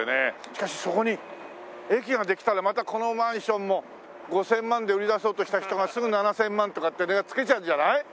しかしそこに駅ができたらまたこのマンションも５０００万で売り出そうとした人がすぐ７０００万とかって値を付けちゃうんじゃない？